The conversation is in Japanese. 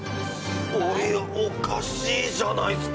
おかしいじゃないですか。